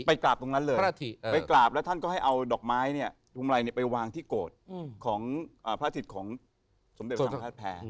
ไปกราบตรงนั้นเลยไปกราบแล้วท่านก็ให้เอาดอกไม้เนี่ยพุงไรไปวางที่โกรธของพระอาทิตย์ของสมเด็จสังฆราชแพ้